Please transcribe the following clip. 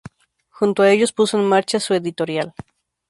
Junto a ellos puso en marcha su editorial.